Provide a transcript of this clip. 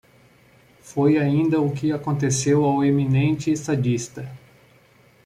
Foi ainda o que aconteceu ao eminente estadista.